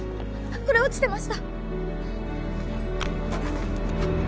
これ落ちてました！